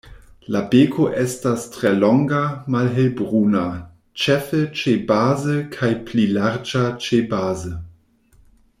La beko estas tre longa, malhelbruna -ĉefe ĉebaze- kaj pli larĝa ĉebaze.